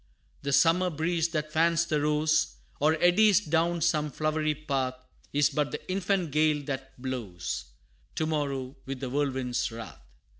The summer breeze that fans the rose, Or eddies down some flowery path, Is but the infant gale that blows To morrow with the whirlwind's wrath.